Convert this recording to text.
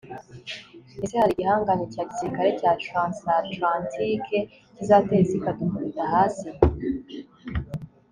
Ese hari igihangange cya gisirikare cya TransAtlantike kizatera isi ikadukubita hasi